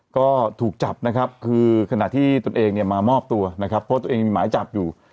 ก็ถูกจับนะครับคือขณะที่ตนเองเนี่ยมามอบตัวนะครับเพราะตัวเองมีหมายจับอยู่